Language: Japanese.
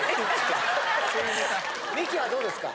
ミキはどうですか？